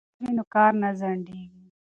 که میز وي نو کار نه ځنډیږي.